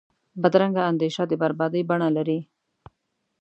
بدرنګه اندیشه د بربادۍ بڼه لري